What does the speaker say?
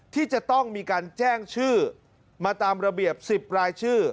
ที่จะต้องมีการแจ้งชื่อมาตามระเบียบ๑๐รายชื่อ